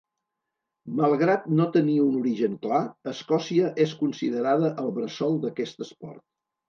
Malgrat no tenir un origen clar, Escòcia és considerada el bressol d'aquest esport.